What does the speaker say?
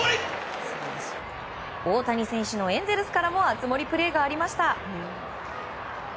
大谷選手のエンゼルスからも熱盛プレーがありました。